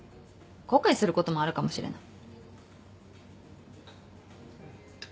後悔することもあるかもしれない。